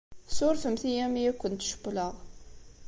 Ssurfemt-iyi imi ay kent-cewwleɣ.